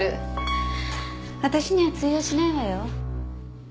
私には通用しないわよ。